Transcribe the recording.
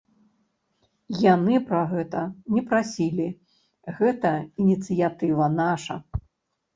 Яны пра гэта не прасілі, гэта ініцыятыва наша.